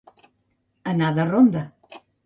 Anar de ronda.